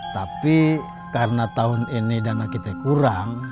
tapi karena tahun ini dana kita kurang